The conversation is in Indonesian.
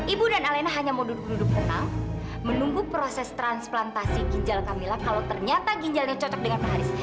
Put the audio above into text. ibu dan alena hanya mau duduk duduk tenang menunggu proses transplantasi ginjal camilla kalau ternyata ginjalnya cocok dengan maharis